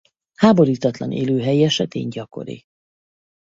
Háborítatlan élőhely esetén gyakori.